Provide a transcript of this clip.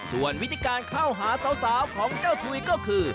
ส่วนวิธีการเข้าหาสาวของเจ้าถุยก็คือ